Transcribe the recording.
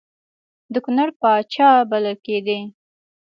د کنړ پاچا بلل کېدی.